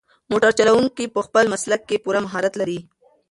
موټر چلونکی په خپل مسلک کې پوره مهارت لري.